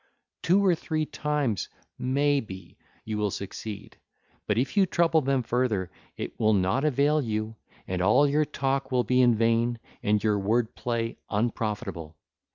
Two or three times, may be, you will succeed, but if you trouble them further, it will not avail you, and all your talk will be in vain, and your word play unprofitable.